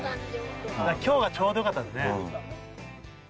今日がちょうどよかったんですね。